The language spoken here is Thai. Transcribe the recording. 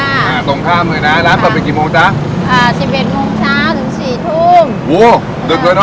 อ่าตรงข้ามเลยนะร้านต่อไหนกี่โมงจ๊ะอะสิบเอ็ดโมงเช้าถึงสี่ทุ่ม